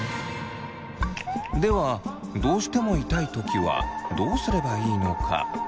ではどうしても痛い時はどうすればいいのか？